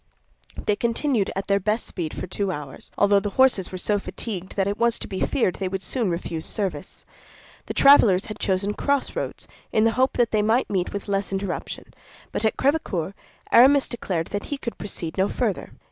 They continued at their best speed for two hours, although the horses were so fatigued that it was to be feared they would soon refuse service. The travelers had chosen crossroads in the hope that they might meet with less interruption; but at Crèvecœur, Aramis declared he could proceed no farther.